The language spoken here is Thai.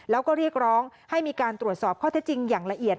แล้วก็เรียกร้องให้มีการตรวจสอบข้อเท็จจริงอย่างละเอียด